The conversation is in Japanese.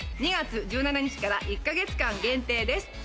２月１７日から１ヶ月間限定です。